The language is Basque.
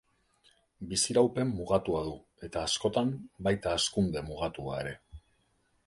Biziraupen mugatua du, eta askotan, baita hazkunde mugatua ere.